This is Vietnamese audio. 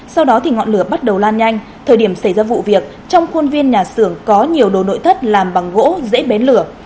sau đó thì ngọn lửa bắt đầu lan nhanh thời điểm xảy ra vụ việc trong khuôn viên nhà xưởng có nhiều đồ nội thất làm bằng gỗ dễ bén lửa